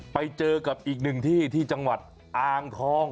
ไปเจอกับอีกหนึ่งที่ที่จังหวัดอ่างทอง